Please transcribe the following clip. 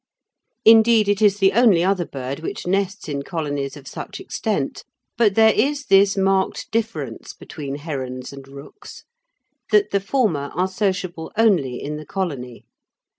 Indeed it is the only other bird which nests in colonies of such extent, but there is this marked difference between herons and rooks, that the former are sociable only in the colony.